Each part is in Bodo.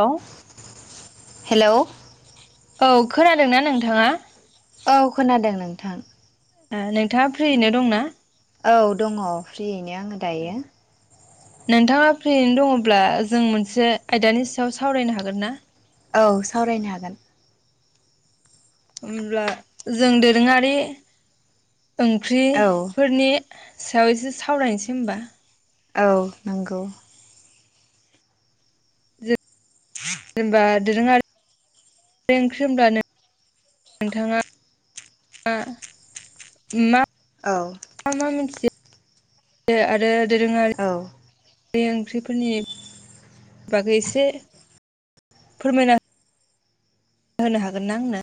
औ हेल'। औ खोनादों ना नोंथाङा। औ खोनादों नोंथां। नोंथाङा फ्रियैनो दंना। औ दङ फ्रियैनो आङो दायो। नोंथाङा फ्रिनो दङब्ला जों मोनसे आयदानि सायाव सावरायनो हागोन ना। औ सावरायनो हागोन। होमब्ला जों दोरोङारि औ ओंख्रिफोरनि। सायाव एसे सावरायनोसै होनोमबा। औ नंगौ। [unintelligible] जेनेबा दोरोङारि। ओंख्रि होनोब्ला नोंथाङा मा। औ। मा मा मोनथियो आरो औ दोरोङारि ओंख्रिफोरनि। बागै एसे। फोरमायना हो होनो हागोन ना आंनो।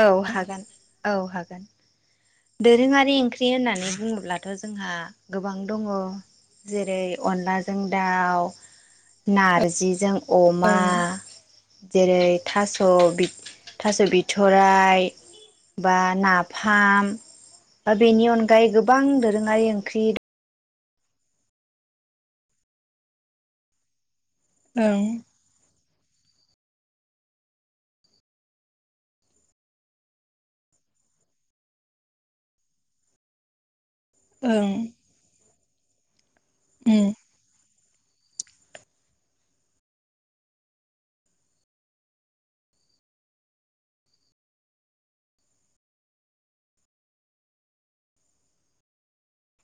औ हागोन औ हागोन। दोरोङारि ओंख्रि होननानै बुङोब्लाथ' जोंहा गोबां दङ। अनलाजों दाव नारजि जों। अमा ओं जेरै थास' थास' बिथ थराइ बा नाफाम। बेनि अनगायै गोबां दोरोङारि ओंख्रि। ओं ओं। उम।